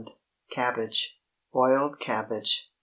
CABBAGE. BOILED CABBAGE.